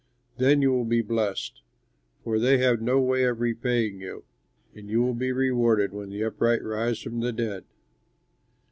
Then you will be blessed. For they have no way of repaying you, and you will be rewarded when the upright rise from the dead."